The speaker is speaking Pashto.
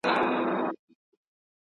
روڼتيا بايد رامنځته سي.